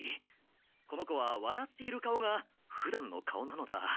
この子はわらっている顔がふだんの顔なのだ。